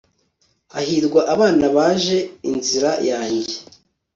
Hahirwa abana baje inzira yanjye